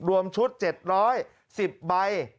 รวมชุด๗๑๐ใบ